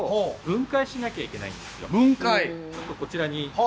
あのちょっとこちらに。